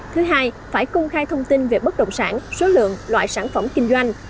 thứ hai phải công khai thông tin về bất đồng sản